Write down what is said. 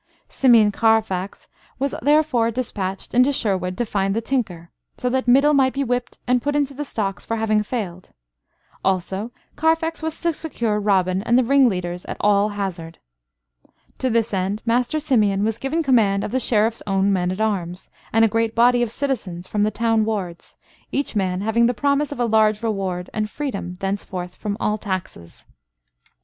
Simeon Carfax was therefore despatched into Sherwood to find the tinker, so that Middle might be whipped and put into the stocks for having failed; also Carfax was to secure Robin and the ringleaders at all hazard. To this end Master Simeon was given command of the Sheriff's own men at arms, and a great body of citizens from the town wards, each man having the promise of a large reward and freedom thenceforth from all taxes.